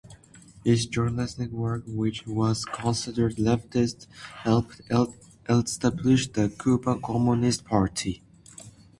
His journalistic work, which was considered leftist, helped establish the Cuban Communist Party.